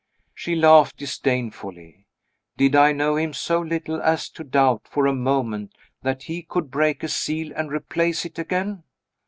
She laughed disdainfully. Did I know him so little as to doubt for a moment that he could break a seal and replace it again?